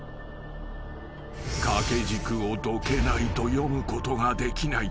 ［掛け軸をどけないと詠むことができない